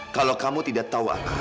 kalau kamu tidak tahu apa apa